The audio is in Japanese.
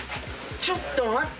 ちょっと待って。